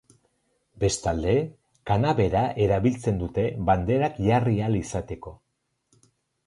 Bestalde, kanabera erabiltzen dute banderak jarri ahal izateko.